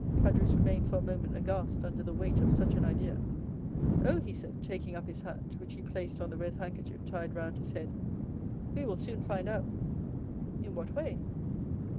Caderousse remained for a moment aghast under the weight of such an idea. "Oh!" he said, taking up his hat, which he placed on the red handkerchief tied round his head, "we will soon find out." "In what way?"